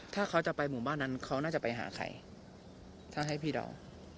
ถ้าเขาจะไปหมู่บ้านนั้นเขาน่าจะไปหาใครถ้าให้พี่เดา